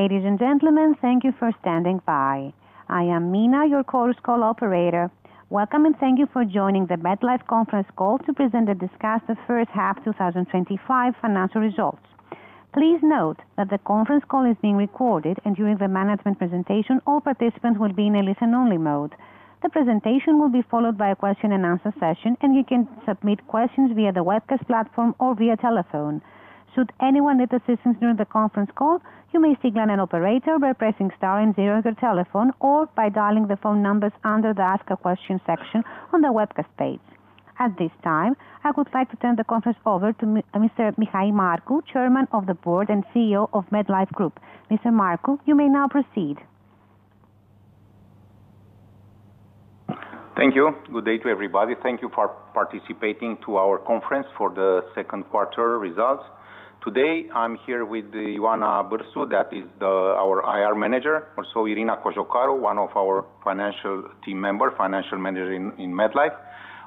Ladies and gentlemen, thank you for standing by. I am Mina, your closed-call operator. Welcome and thank you for joining the MedLife conference call to present and discuss the first half of 2025 financial results. Please note that the conference call is being recorded, and during the management presentation, all participants will be in a listen-only mode. The presentation will be followed by a question-and-answer session, and you can submit questions via the webcast platform or via telephone. Should anyone need assistance during the conference call, you may seek an operator by pressing star and zero on your telephone or by dialing the phone numbers under the ask a question section on the webcast page. At this time, I would like to turn the conference over to Mr. Mihail Marcu, Chairman of the Board and CEO of MedLife Group. Mr. Marcu, you may now proceed. Thank you. Good day to everybody. Thank you for participating in our conference for the second quarter results. Today, I'm here with Ioana Birsu, that is our IR Manager. Also, Irina Cojocaru, one of our financial team members, Financial Managers in MedLife.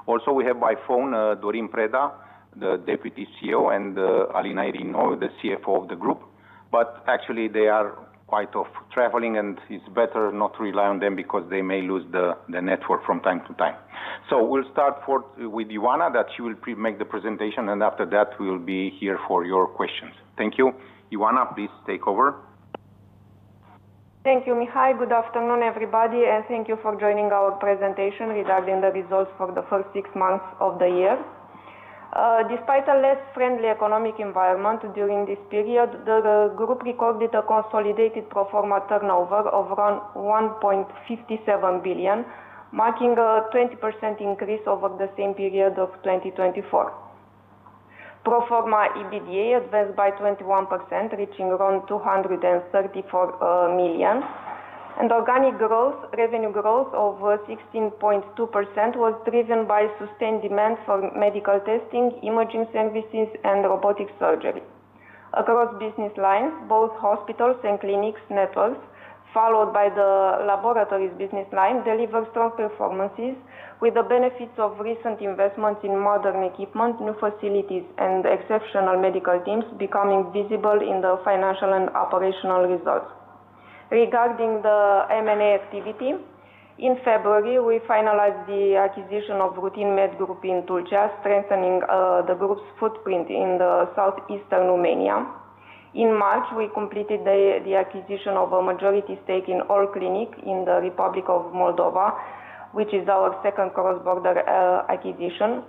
Also, we have by phone Dorin Preda, the Deputy CEO, and Alina Irinoiu, the CFO of the group. They are quite often traveling, and it's better not to rely on them because they may lose the network from time to time. We'll start with Ioana, that she will make the presentation, and after that, we'll be here for your questions. Thank you. Ioana, please take over. Thank you, Mihail. Good afternoon, everybody, and thank you for joining our presentation regarding the results for the first six months of the year. Despite a less friendly economic environment during this period, the group recorded a consolidated pro forma turnover of around RON 1.57 billion, marking a 20% increase over the same period of 2024. Pro forma EBITDA advanced by 21%, reaching around RON 234 million. Organic revenue growth of 16.2% was driven by sustained demand for medical testing, imaging services, and robotic surgery. Across business lines, both hospitals and clinics networks, followed by the laboratories business line, delivered strong performances with the benefits of recent investments in modern equipment, new facilities, and exceptional medical teams becoming visible in the financial and operational results. Regarding the M&A activity, in February, we finalized the acquisition of Routine Med group in Tulcea, strengthening the group's footprint in southeastern Romania. In March, we completed the acquisition of a majority stake in All Clinic in the Republic of Moldova, which is our second cross-border acquisition.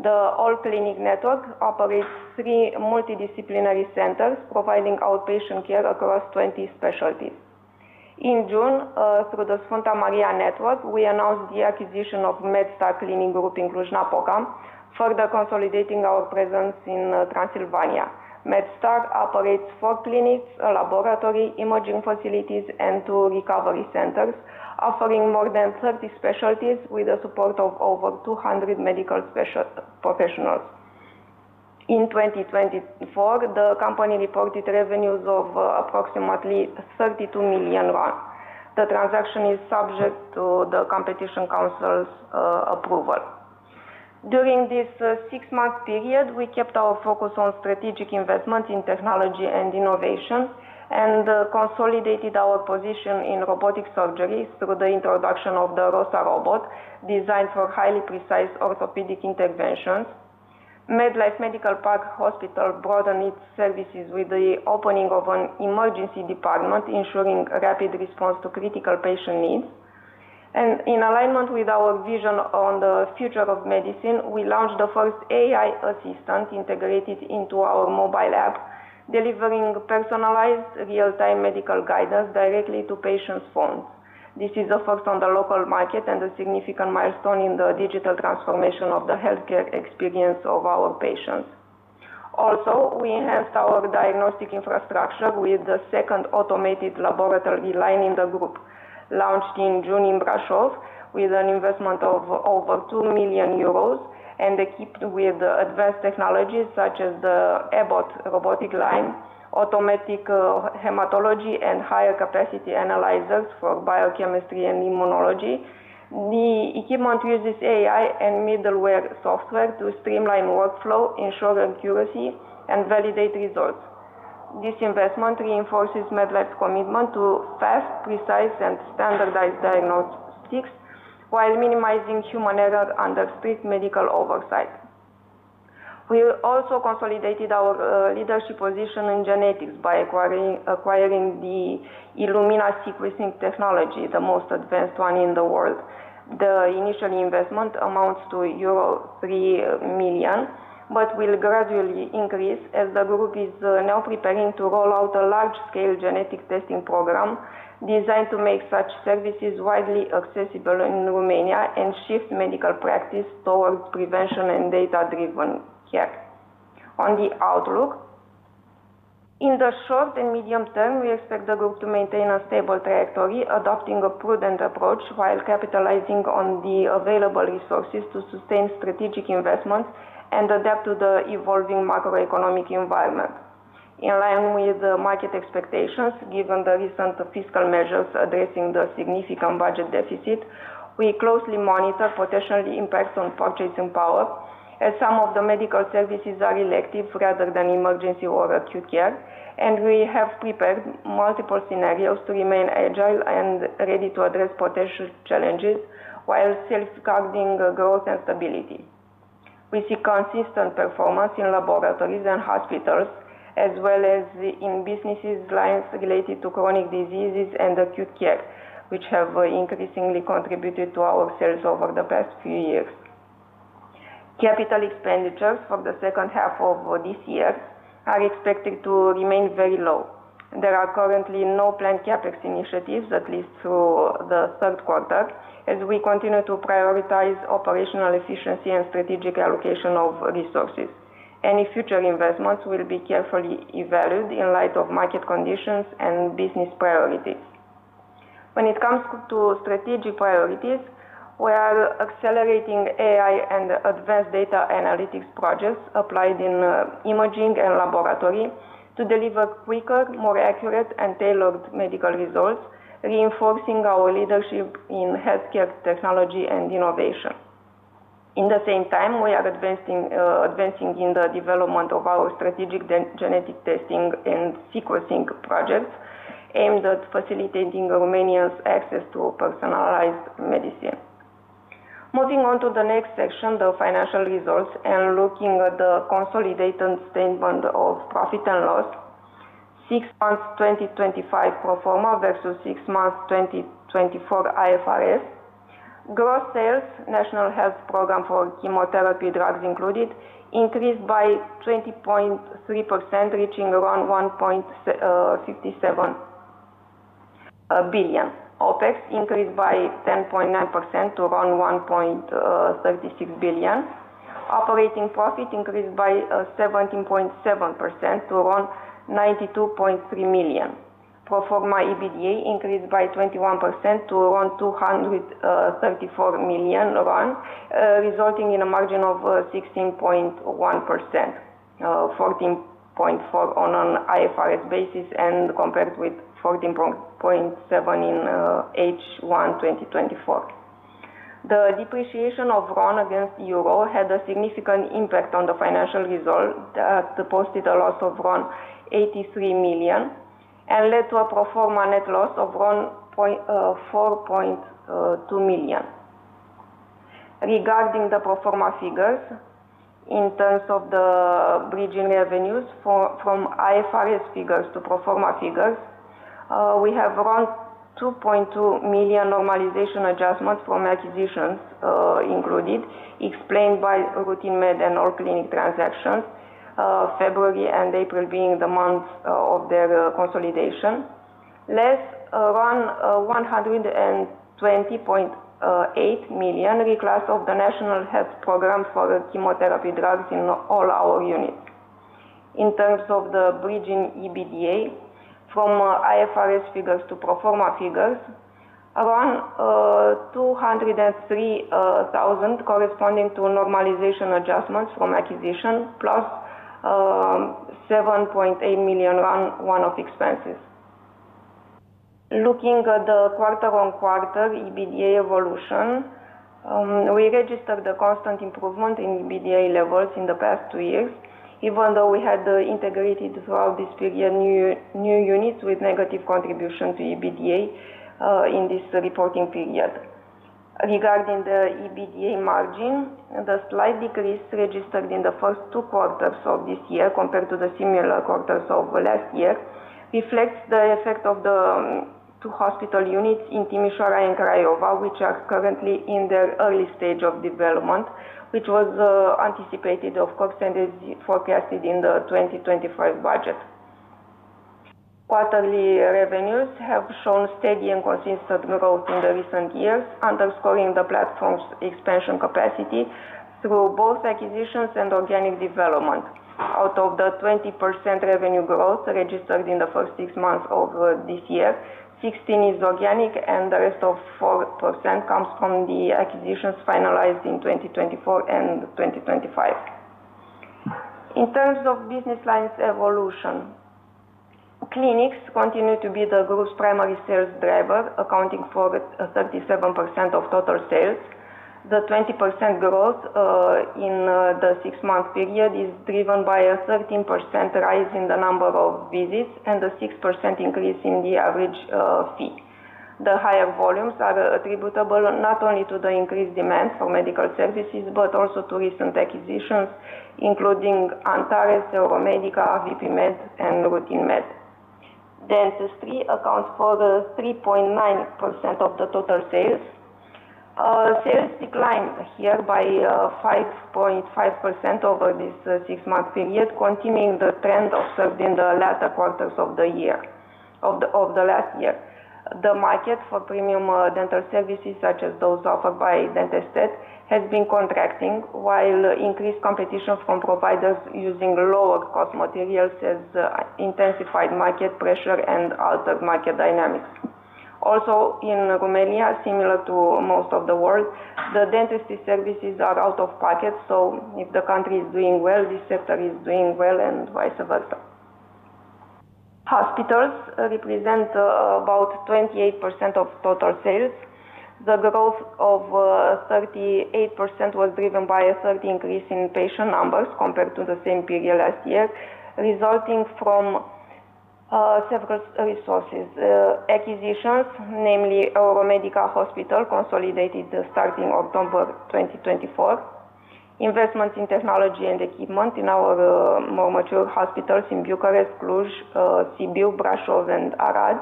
The All Clinic network operates three multidisciplinary centers, providing outpatient care across 20 specialties. In June, through the Sfânta Maria network, we announced the acquisition of Medstar clinic group in Cluj-Napoca, further consolidating our presence in Transylvania. Medstar operates four clinics, a laboratory, imaging facilities, and two recovery centers, offering more than 30 specialties with the support of over 200 medical professionals. In 2024, the company reported revenues of approximately RON 32 million. The transaction is subject to the competition council's approval. During this six-month period, we kept our focus on strategic investments in technology and innovation and consolidated our position in robotic surgeries through the introduction of the ROSA robot, designed for highly precise orthopedic interventions. MedLife Medical Park Hospital broadened its services with the opening of an emergency department, ensuring rapid response to critical patient needs. In alignment with our vision on the future of medicine, we launched the first AI assistant integrated into our mobile app, delivering personalized real-time medical guidance directly to patients' phones. This is a first on the local market and a significant milestone in the digital transformation of the healthcare experience of our patients. Also, we enhanced our diagnostic infrastructure with the second automated laboratory line in the group, launched in June in Brașov, with an investment of over 2 million euros and equipped with advanced technologies such as the eBot robotic line, automatic hematology, and higher-capacity analyzers for biochemistry and immunology. The equipment uses AI and middleware software to streamline workflow, ensure accuracy, and validate results. This investment reinforces MedLife's commitment to fast, precise, and standardized diagnostics while minimizing human error under strict medical oversight. We also consolidated our leadership position in genetics by acquiring the Illumina sequencing technology, the most advanced one in the world. The initial investment amounts to euro 3 million, but will gradually increase as the group is now preparing to roll out a large-scale genetic testing program designed to make such services widely accessible in Romania and shift medical practice towards prevention and data-driven care. On the outlook, in the short and medium term, we expect the group to maintain a stable trajectory, adopting a prudent approach while capitalizing on the available resources to sustain strategic investments and adapt to the evolving macroeconomic environment. In line with market expectations, given the recent fiscal measures addressing the significant budget deficit, we closely monitor potential impacts on purchasing power as some of the medical services are elective rather than emergency or acute care, and we have prepared multiple scenarios to remain agile and ready to address potential challenges while safeguarding growth and stability. We see consistent performance in laboratories and hospitals, as well as in business lines related to chronic diseases and acute care, which have increasingly contributed to our sales over the past few years. Capital expenditures for the second half of this year are expected to remain very low. There are currently no planned CapEx initiatives, at least through the third quarter, as we continue to prioritize operational efficiency and strategic allocation of resources. Any future investments will be carefully evaluated in light of market conditions and business priorities. When it comes to strategic priorities, we are accelerating AI and advanced data analytics projects applied in imaging and laboratory to deliver quicker, more accurate, and tailored medical results, reinforcing our leadership in healthcare technology and innovation. At the same time, we are advancing in the development of our strategic genetic testing and sequencing projects aimed at facilitating Romanians' access to personalized medicine. Moving on to the next section, the financial results, and looking at the consolidated statement of profit and loss, six months 2025 pro forma versus six months 2024 IFRS, gross sales, National Health Program for chemotherapy drugs included, increased by 20.3%, reaching around RON 1.57 billion. OpEx increased by 10.9% to around RON 1.36 billion. Operating profit increased by 17.7% to around RON 92.3 million. Pro forma EBITDA increased by 21% to around RON 234 million, resulting in a margin of 16.1%, 14.4% on an IFRS basis and compared with 14.7% in H1 2024. The depreciation of RON against euro had a significant impact on the financial result that posted a loss of RON 83 million and led to a pro forma net loss of RON 4.2 million. Regarding the pro forma figures, in terms of the bridging revenues from IFRS figures to pro forma figures, we have around RON 2.2 million normalization adjustments from acquisitions included, explained by Routine Med and All Clinic transactions, February and April being the months of their consolidation. Less, around RON 120.8 million reclassed of the National Health Program for chemotherapy drugs in all our units. In terms of the bridging EBITDA from IFRS figures to pro forma figures, around RON 203,000 corresponding to normalization adjustments from acquisitions, plus RON 7.8 million one-off expenses. Looking at the quarter-on-quarter EBITDA evolution, we registered a constant improvement in EBITDA levels in the past two years, even though we had integrated throughout this period new units with negative contribution to EBITDA in this reporting period. Regarding the EBITDA margin, the slight decrease registered in the first two quarters of this year compared to the similar quarters of last year reflects the effect of the two hospital units in Timișoara and Craiova, which are currently in their early stage of development, which was anticipated, of course, and is forecasted in the 2025 budget. Quarterly revenues have shown steady and consistent growth in the recent years, underscoring the platform's expansion capacity through both acquisitions and organic development. Out of the 20% revenue growth registered in the first six months of this year, 16% is organic, and the rest of 4% comes from the acquisitions finalized in 2024 and 2025. In terms of business lines evolution, clinics continue to be the group's primary sales driver, accounting for 37% of total sales. The 20% growth in the six-month period is driven by a 13% rise in the number of visits and a 6% increase in the average fee. The higher volumes are attributable not only to the increased demand for medical services, but also to recent acquisitions, including Antares, Euromedica, VP-Med, and Routine Med. Dentistry accounts for 3.9% of the total sales. Sales declined here by 5.5% over this six-month period, continuing the trend observed in the latter quarters of the last year. The market for premium dental services, such as those offered by Dentastat, has been contracting, while increased competition from providers using lower-cost materials has intensified market pressure and altered market dynamics. Also, in Romania, similar to most of the world, the dentistry services are out of pocket, so if the country is doing well, this sector is doing well and vice versa. Hospitals represent about 28% of total sales. The growth of 38% was driven by a 30% increase in patient numbers compared to the same period last year, resulting from several resources. Acquisitions, namely Euromedica Hospital, consolidated starting October 2024. Investments in technology and equipment in our more mature hospitals in Bucharest, Cluj, Sibiu, Brașov, and Arad.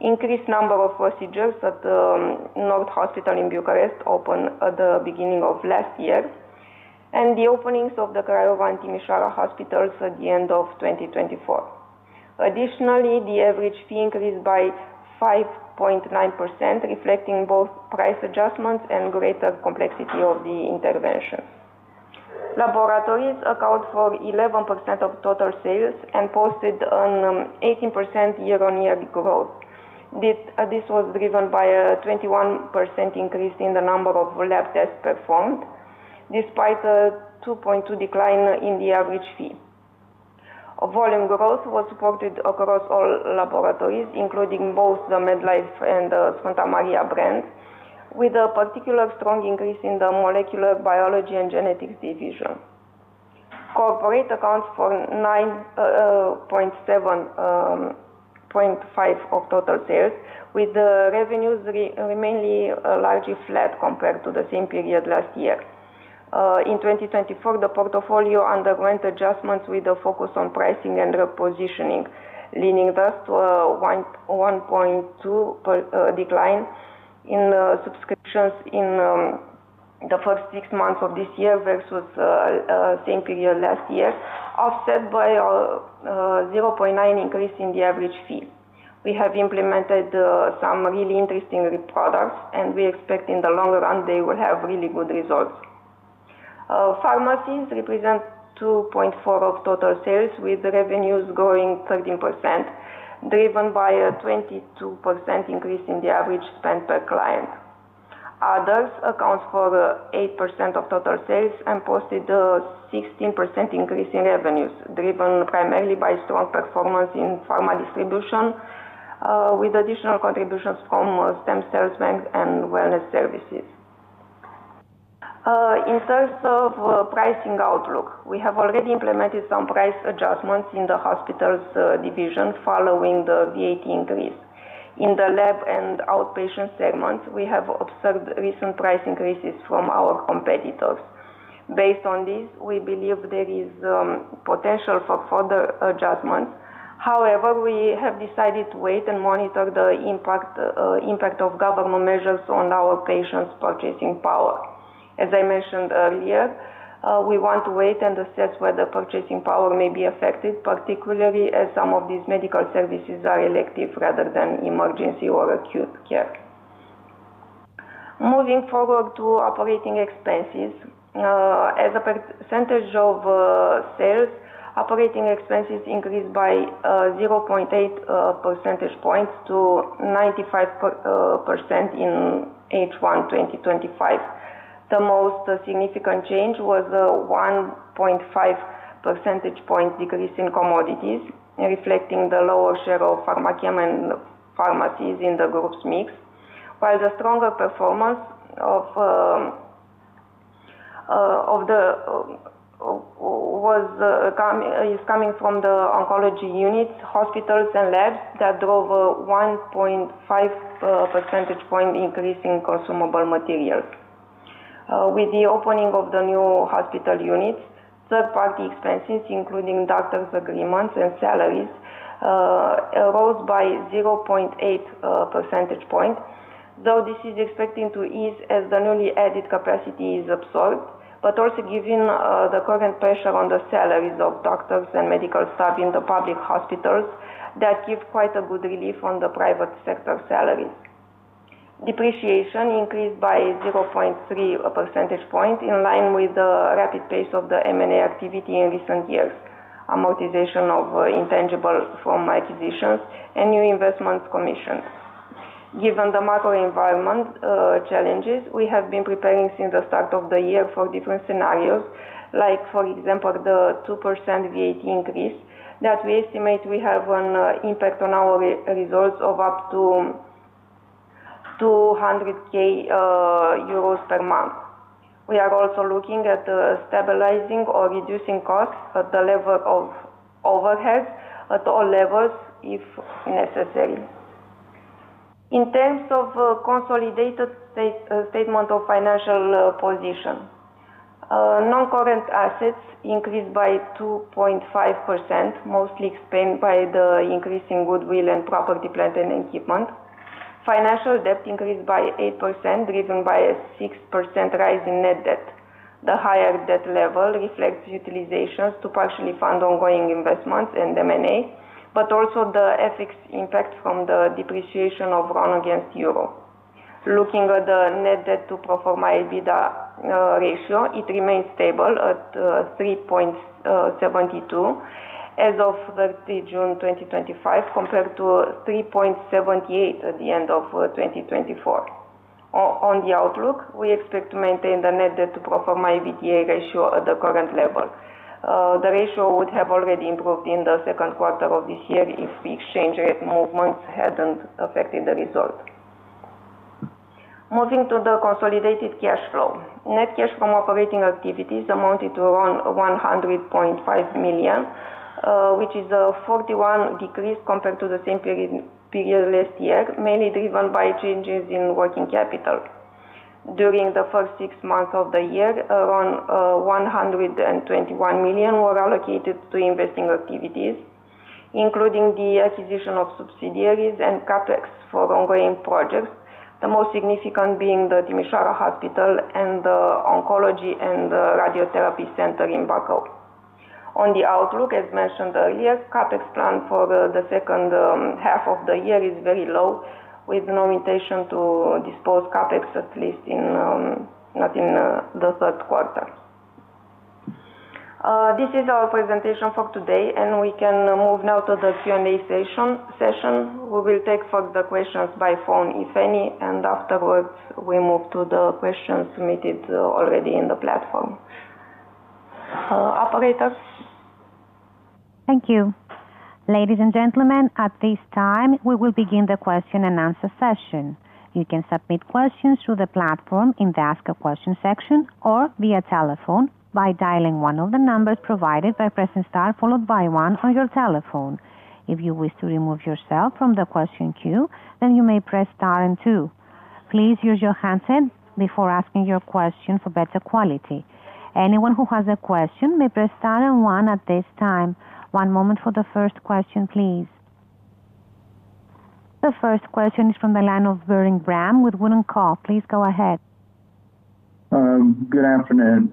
Increased number of procedures at the North Hospital in Bucharest opened at the beginning of last year, and the openings of the Craiova and Timisoara hospitals at the end of 2024. Additionally, the average fee increased by 5.9%, reflecting both price adjustments and greater complexity of the intervention. Laboratories account for 11% of total sales and posted an 18% year-on-year growth. This was driven by a 21% increase in the number of lab tests performed, despite a 2.2% decline in the average fee. Volume growth was reported across all laboratories, including both the MedLife and Sfânta Maria brands, with a particular strong increase in the molecular biology and genetics division. Corporate accounts for 9.75% of total sales, with the revenues remaining largely flat compared to the same period last year. In 2024, the portfolio underwent adjustments with a focus on pricing and repositioning, leading thus to a 1.2% decline in subscriptions in the first six months of this year versus the same period last year, offset by a 0.9% increase in the average fee. We have implemented some really interesting products, and we expect in the long run they will have really good results. Pharmacies represent 2.4% of total sales, with revenues growing 13%, driven by a 22% increase in the average spend per client. Others account for 8% of total sales and posted a 16% increase in revenues, driven primarily by strong performance in pharma distribution, with additional contributions from stem cell bank and wellness services. In terms of pricing outlook, we have already implemented some price adjustments in the hospitals' division following the VAT increase. In the lab and outpatient segments, we have observed recent price increases from our competitors. Based on this, we believe there is potential for further adjustments. However, we have decided to wait and monitor the impact of government measures on our patients' purchasing power. As I mentioned earlier, we want to wait and assess whether purchasing power may be effective, particularly as some of these medical services are elective rather than emergency or acute care. Moving forward to operating expenses, as a percentage of sales, operating expenses increased by 0.8 percentage points to 95% in H1 2025. The most significant change was a 1.5 percentage point decrease in commodities, reflecting the lower share of pharmacies in the group's mix, while the stronger performance is coming from the oncology units, hospitals, and labs that drove a 1.5 percentage point increase in consumable materials. With the opening of the new hospital units, third-party expenses, including doctor's agreements and salaries, rose by 0.8 percentage point, though this is expected to ease as the newly added capacity is absorbed, but also given the current pressure on the salaries of doctors and medical staff in the public hospitals that give quite a good relief on the private sector salary. Depreciation increased by 0.3 percentage point in line with the rapid pace of the M&A activity in recent years, amortization of intangibles from acquisitions, and new investments commissioned. Given the macro environment challenges, we have been preparing since the start of the year for different scenarios, like for example, the 2% VAT increase that we estimate will have an impact on our results of up to EUR 200,000 per month. We are also looking at stabilizing or reducing costs at the level of overheads at all levels if necessary. In terms of consolidated statement of financial position, non-current assets increased by 2.5%, mostly explained by the increase in goodwill and property, plant, and equipment. Financial debt increased by 8%, driven by a 6% rise in net debt. The higher debt level reflects utilizations to partially fund ongoing investments and M&A, but also the FX impact from the depreciation of RON against euro. Looking at the net debt to pro forma EBITDA ratio, it remains stable at 3.72 as of 30 June 2025, compared to 3.78 at the end of 2024. On the outlook, we expect to maintain the net debt to pro forma EBITDA ratio at the current level. The ratio would have already improved in the second quarter of this year if exchange rate movements hadn't affected the result. Moving to the consolidated cash flow, net cash from operating activities amounted to around 100.5 million, which is a 41% decrease compared to the same period last year, mainly driven by changes in working capital. During the first six months of the year, around 121 million were allocated to investing activities, including the acquisition of subsidiaries and CapEx for ongoing projects, the most significant being the Timisoara Hospital and the Oncology and Radiotherapy Center in Bacău. On the outlook, as mentioned earlier, CapEx plan for the second half of the year is very low, with no intention to dispose CapEx at least not in the third quarter. This is our presentation for today, and we can move now to the Q&A session. We will take further questions by phone if any, and afterwards, we move to the questions submitted already in the platform. Operator? Thank you. Ladies and gentlemen, at this time, we will begin the question-and-answer session. You can submit questions through the platform in the ask a question section or via telephone by dialing one of the numbers provided by pressing star followed by one on your telephone. If you wish to remove yourself from the question queue, then you may press star and two. Please use your handset before asking your question for better quality. Anyone who has a question may press star and one at this time. One moment for the first question, please. The first question is from the line of Buring Bram with Wood & Co. Please go ahead. Good afternoon.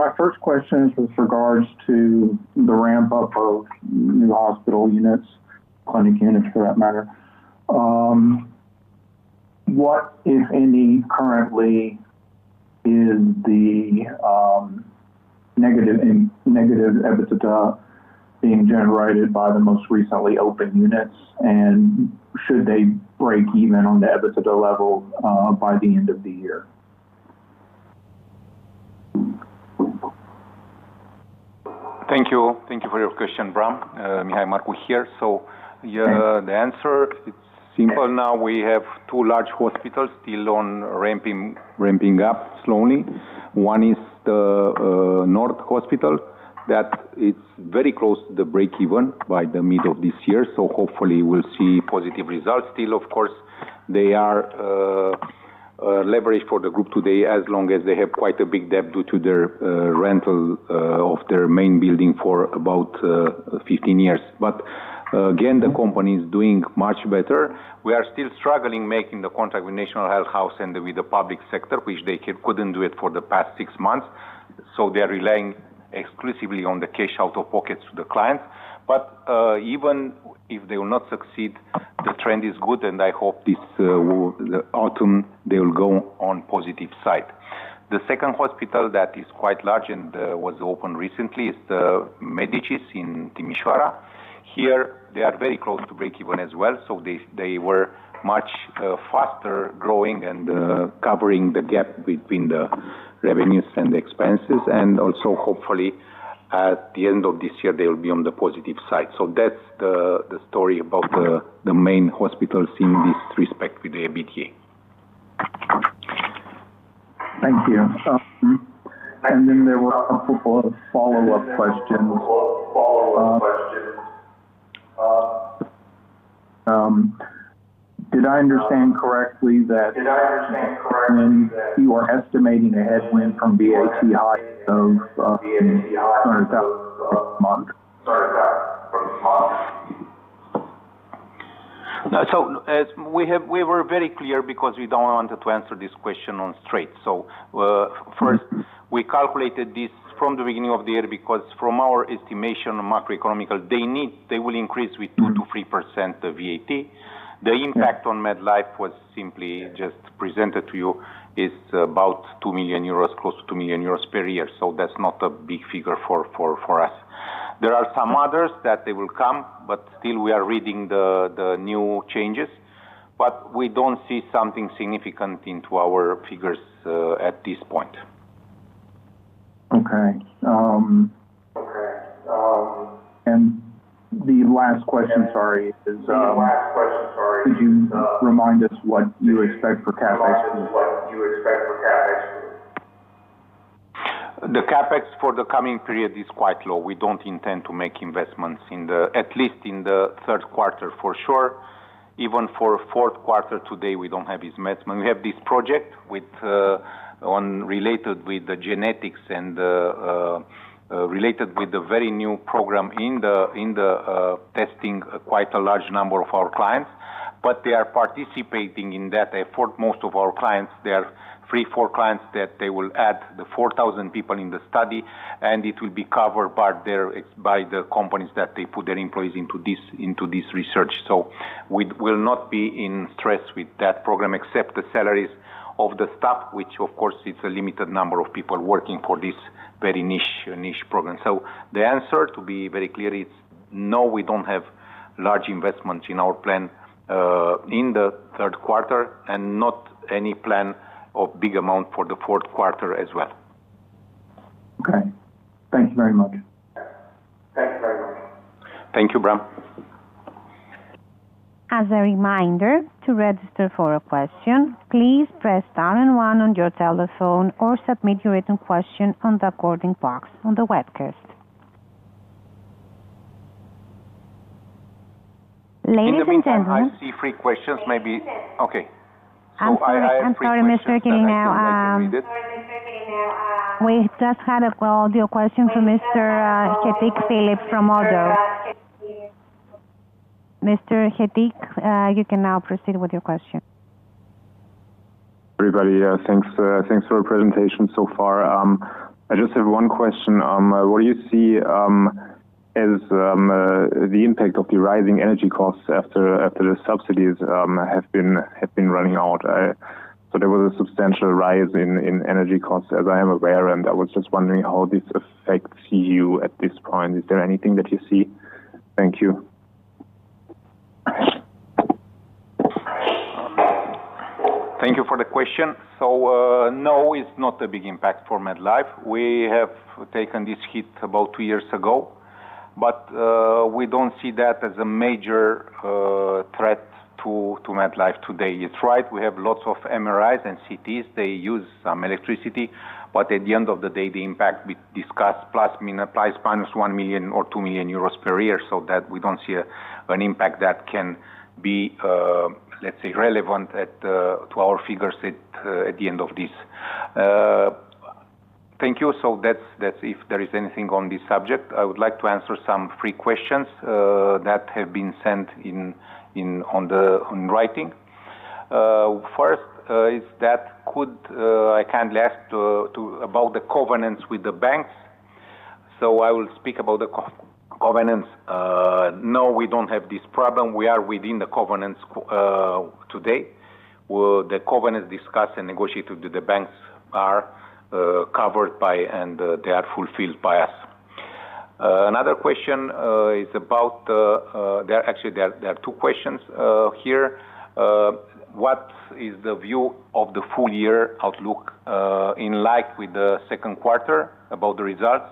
My first question is with regards to the ramp-up of new hospital units, clinic units for that matter. What, if any, currently is the negative EBITDA being generated by the most recently opened units, and should they break even on the EBITDA level by the end of the year? Thank you. Thank you for your question, Bram. Mihail Marcu here. The answer, it's simple. Now we have two large hospitals still ramping up slowly. One is the North Hospital that is very close to break-even by the middle of this year. Hopefully, we'll see positive results. Still, of course, they are leveraged for the group today as long as they have quite a big debt due to the rental of their main building for about 15 years. Again, the company is doing much better. We are still struggling making the contract with National Health House and with the public sector, which they couldn't do it for the past six months. They're relying exclusively on the cash out of pockets to the clients. Even if they will not succeed, the trend is good, and I hope this autumn they will go on the positive side. The second hospital that is quite large and was opened recently is the MEDICIS in Timisoara. Here, they are very close to break-even as well. They were much faster growing and covering the gap between the revenues and the expenses. Also, hopefully, at the end of this year, they will be on the positive side. That's the story about the main hospitals in this respect with the EBITDA. Thank you. There were a couple of follow-up questions. Did I understand correctly that you are estimating a headwind from VAT hike of $100,000 next month? We were very clear because we don't want to answer this question on straight. First, we calculated this from the beginning of the year because from our estimation of macroeconomic, they will increase with 2%-3% VAT. The impact on MedLife was simply just presented to you, is about 2 million euros, close to 2 million euros per year. That's not a big figure for us. There are some others that they will come, but still, we are reading the new changes. We don't see something significant into our figures at this point. Okay. The last question, sorry, is could you remind us what you expect for CapEx? The CapEx for the coming period is quite low. We don't intend to make investments in the at least in the third quarter for sure. Even for the fourth quarter today, we don't have investments. We have this project related with the genetics and related with the very new program in the testing of quite a large number of our clients. They are participating in that effort. Most of our clients, they are three or four clients that they will add the 4,000 people in the study, and it will be covered by the companies that they put their employees into this research. We will not be in stress with that program except the salaries of the staff, which, of course, it's a limited number of people working for this very niche program. The answer, to be very clear, is no, we don't have large investments in our plan in the third quarter and not any plan of a big amount for the fourth quarter as well. Okay, thank you very much. Thank you, Bram. As a reminder, to register for a question, please press star and one on your telephone or submit your written question in the question box on the webcast, ladies and gentlemen. I see three questions. Maybe, okay. I'm sorry, Mr. Killingner. We just had audio questions from Mr. Hetique Philip from ODDO. Mr. Hetique, you can now proceed with your question. Everybody, thanks for your presentation so far. I just have one question. What do you see as the impact of the rising energy costs after the subsidies have been running out? There was a substantial rise in energy costs, as I am aware, and I was just wondering how this affects you at this point. Is there anything that you see? Thank you. Thank you for the question. No, it's not a big impact for MedLife. We have taken this hit about two years ago, but we don't see that as a major threat to MedLife today. It's right. We have lots of MRIs and CTs. They use some electricity, but at the end of the day, the impact we discussed is ±1 million or 2 million euros per year. We don't see an impact that can be, let's say, relevant to our figures at the end of this. Thank you. If there is anything on this subject, I would like to answer some free questions that have been sent in writing. First is that I can't last about the covenants with the banks. I will speak about the covenants. No, we don't have this problem. We are within the covenants today. The covenants discussed and negotiated with the banks are covered by and they are fulfilled by us. Another question is about, actually, there are two questions here. What is the view of the full-year outlook in light with the second quarter about the results?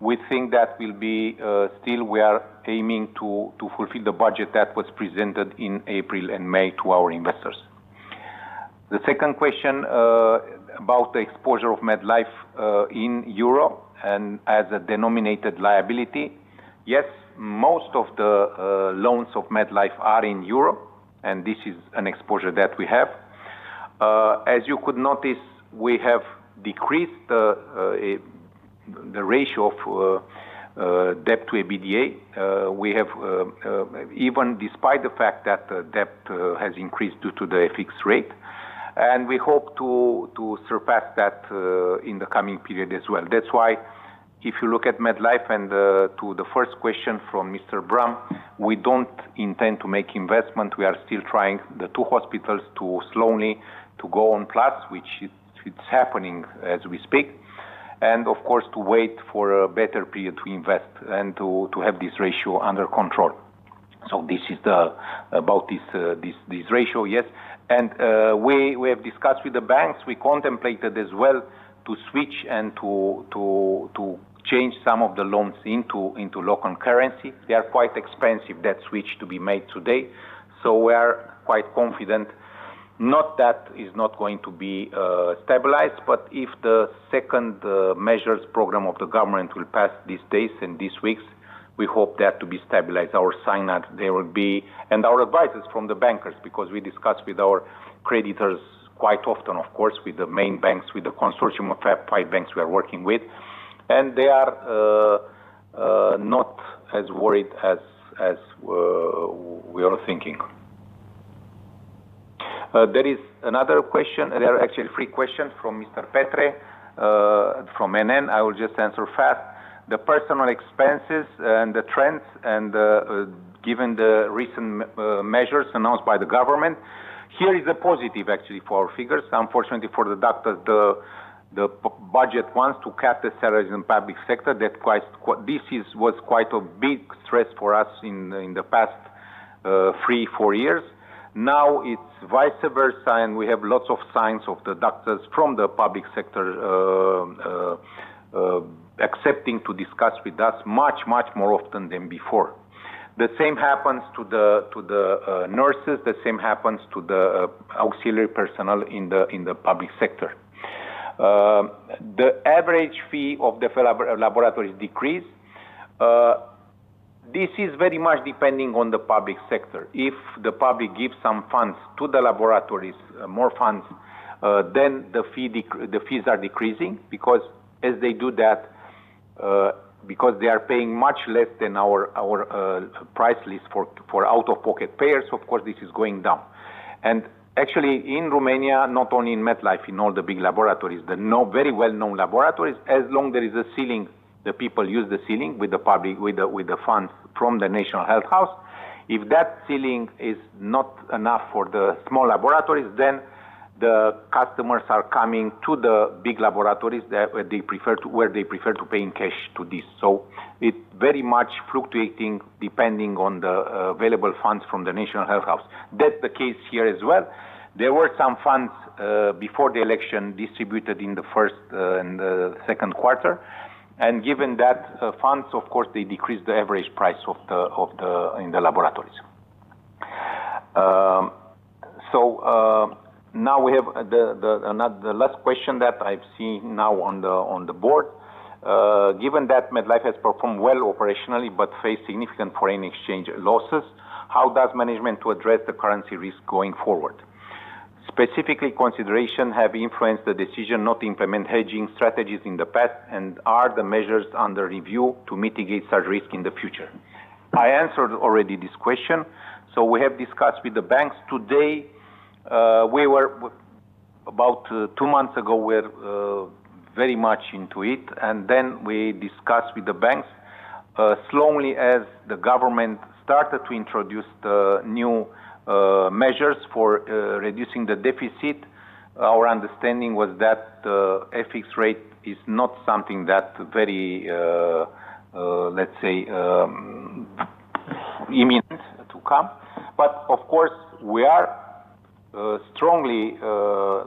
We think that we are still aiming to fulfill the budget that was presented in April and May to our investors. The second question about the exposure of MedLife in euro and as a denominated liability. Yes, most of the loans of MedLife are in euro, and this is an exposure that we have. As you could notice, we have decreased the ratio of debt to EBITDA. Even despite the fact that the debt has increased due to the fixed rate, we hope to surpass that in the coming period as well. If you look at MedLife and to the first question from Mr. Bram, we don't intend to make investments. We are still trying the two hospitals to slowly go on plus, which is happening as we speak, and of course, to wait for a better period to invest and to have this ratio under control. This is about this ratio, yes. We have discussed with the banks. We contemplated as well to switch and to change some of the loans into local currency. They are quite expensive, that switch to be made today. We are quite confident not that it is not going to be stabilized, but if the second measures program of the government will pass these days and these weeks, we hope that to be stabilized. Our sign that they will be and our advisors from the bankers because we discuss with our creditors quite often, of course, with the main banks, with the consortium of five banks we are working with, and they are not as worried as we are thinking. There is another question. There are actually three questions from Mr. Petre from NN. I will just answer fast. The personal expenses and the trends and given the recent measures announced by the government, here is a positive, actually, for our figures. Unfortunately for the doctors, the budget wants to cut the salaries in the public sector. This was quite a big stress for us in the past three years, four years. Now it's vice versa, and we have lots of signs of the doctors from the public sector accepting to discuss with us much, much more often than before. The same happens to the nurses. The same happens to the auxiliary personnel in the public sector. The average fee of the laboratories decreased. This is very much depending on the public sector. If the public gives some funds to the laboratories, more funds, then the fees are decreasing because as they do that, because they are paying much less than our price list for out-of-pocket payers, of course, this is going down. In Romania, not only in MedLife, in all the big laboratories, the very well-known laboratories, as long as there is a ceiling, the people use the ceiling with the public, with the funds from the National Health House. If that ceiling is not enough for the small laboratories, then the customers are coming to the big laboratories where they prefer to pay in cash to this. It is very much fluctuating depending on the available funds from the National Health House. That's the case here as well. There were some funds before the election distributed in the first and the second quarter. Given that funds, of course, they decreased the average price of the laboratories. Now we have the last question that I've seen now on the board. Given that MedLife has performed well operationally but faced significant foreign exchange losses, how does management address the currency risk going forward? Specifically, considerations have influenced the decision not to implement hedging strategies in the past, and are the measures under review to mitigate such risk in the future? I answered already this question. We have discussed with the banks. Today, we were about two months ago, we're very much into it. We discussed with the banks slowly as the government started to introduce the new measures for reducing the deficit. Our understanding was that the FX rate is not something that very, let's say, imminent to come. Of course, we are strongly,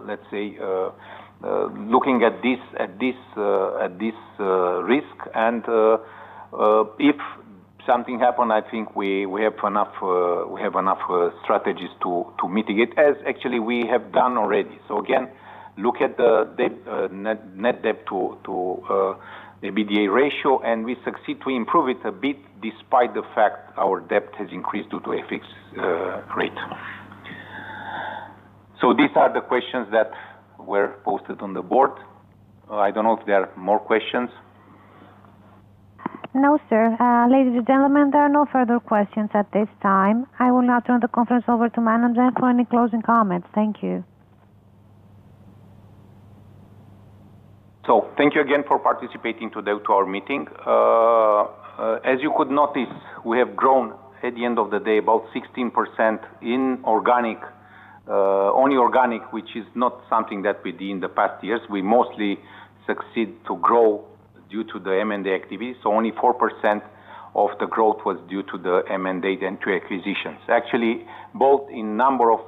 let's say, looking at this risk. If something happened, I think we have enough strategies to mitigate, as actually we have done already. Again, look at the net debt to pro forma EBITDA ratio, and we succeed to improve it a bit despite the fact our debt has increased due to FX rate. These are the questions that were posted on the board. I don't know if there are more questions. No, sir. Ladies and gentlemen, there are no further questions at this time. I will now turn the conference over to management for any closing comments. Thank you. Thank you again for participating today to our meeting. As you could notice, we have grown at the end of the day about 16% in organic, only organic, which is not something that we did in the past years. We mostly succeed to grow due to the M&A activity. Only 4% of the growth was due to the M&A to acquisitions. Actually, both in the number of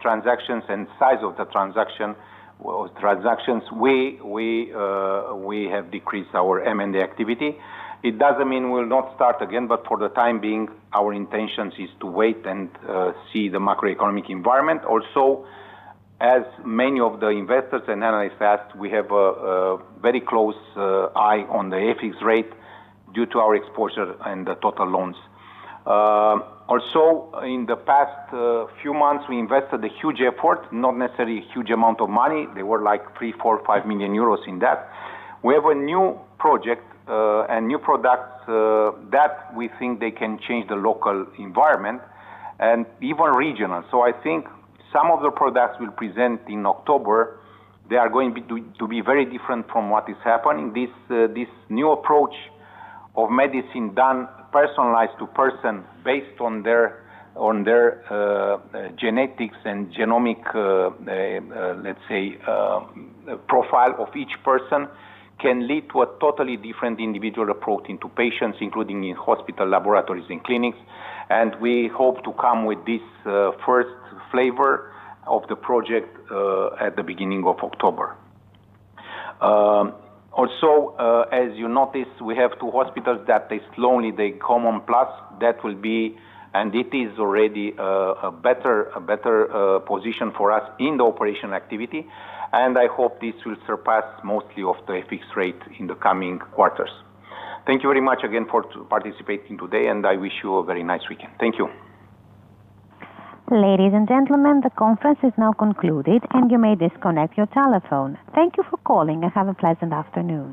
transactions and size of the transactions, we have decreased our M&A activity. It doesn't mean we'll not start again, but for the time being, our intention is to wait and see the macroeconomic environment. Also, as many of the investors and analysts asked, we have a very close eye on the FX rate due to our exposure and the total loans. In the past few months, we invested a huge effort, not necessarily a huge amount of money. They were like 3 million, 4 million, 5 million euros in that. We have a new project and new products that we think they can change the local environment and even regional. I think some of the products we'll present in October, they are going to be very different from what has happened in this new approach of medicine done personalized to person based on their genetics and genomic, let's say, profile of each person can lead to a totally different individual approach into patients, including in hospital laboratories and clinics. We hope to come with this first flavor of the project at the beginning of October. Also, as you noticed, we have two hospitals that they slowly come on plus. That will be, and it is already a better position for us in the operation activity. I hope this will surpass mostly of the FX rate in the coming quarters. Thank you very much again for participating today, and I wish you a very nice weekend. Thank you. Ladies and gentlemen, the conference is now concluded, and you may disconnect your telephone. Thank you for calling, and have a pleasant afternoon.